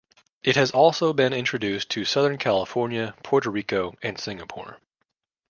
It has also been introduced to southern California, Puerto Rico, and Singapore.